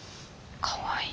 かわいい。